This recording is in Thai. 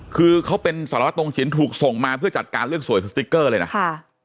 คือเขาเป็นสารวัตตรงชิ้นถูกส่งมาเพื่อจัดการเรื่องสวยสติ๊กเกอร์เลยนะค่ะ